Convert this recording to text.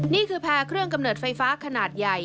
นี่คือแพร่เครื่องกำเนิดไฟฟ้าขนาดใหญ่